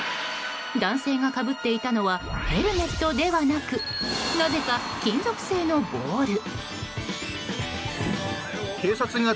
男性がかぶっていたのはヘルメットではなくなぜか金属製のボウル。